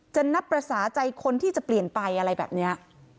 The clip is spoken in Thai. นับภาษาใจคนที่จะเปลี่ยนไปอะไรแบบนี้